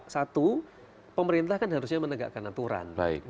satu pemerintah kan harusnya menegakkan aturan